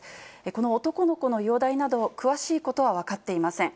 この男の子の容体など、詳しいことは分かっていません。